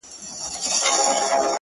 • هغه به چاسره خبري کوي،